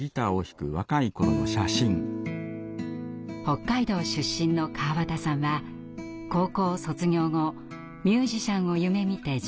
北海道出身の川端さんは高校卒業後ミュージシャンを夢みて上京。